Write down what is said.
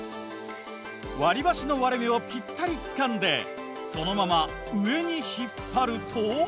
割り箸の割れ目をぴったりつかんでそのまま上に引っ張ると。